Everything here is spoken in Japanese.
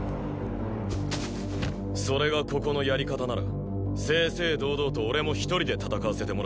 それがここのやり方なら正々堂々と俺も一人で戦わせてもらう。